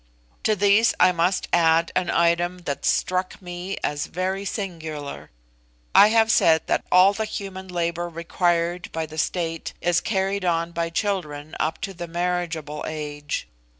To these I must add an item that struck me as very singular. I have said that all the human labour required by the state is carried on by children up to the marriageable age.